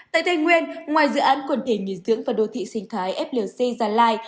tại tây nguyên ngoài dự án quần thể nghỉ dưỡng và đô thị sinh thái flc gia lai